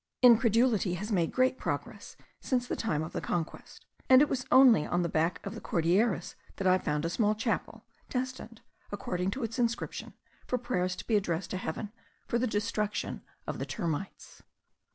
Incredulity has made great progress since the time of the conquest; and it was only on the back of the Cordilleras that I found a small chapel, destined, according to its inscription, for prayers to be addressed to Heaven for the destruction of the termites.